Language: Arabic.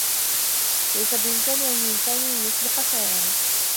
ليس بإمكان أي إنسان أن يصبح شاعرا.